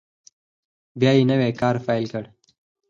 بیا نوی کار یې پیل کړ.